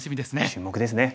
注目ですね。